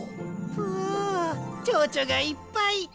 ぷちょうちょがいっぱい！